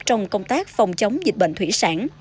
trong công tác phòng chống dịch bệnh thủy sản